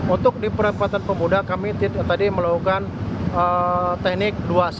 untuk di perempatan pemuda kami tadi melakukan teknik dua satu